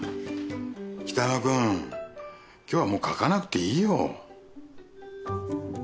北山君今日はもう描かなくていいよ。